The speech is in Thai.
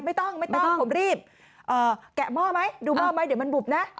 ไม่ต้องไม่ต้องผมรีบแกะหม้อไหมดูหม้อไหมเดี๋ยวมันบุบนะ